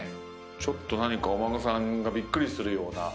ちょっと何かお孫さんがびっくりするような。